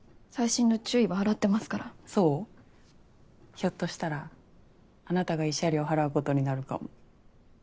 ひょっとしたらあなたが慰謝料を払うことになるかも。